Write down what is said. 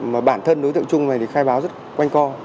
mà bản thân đối tượng trung này thì khai báo rất quanh co